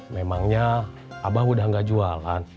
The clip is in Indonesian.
memangnya abah udah gak jualan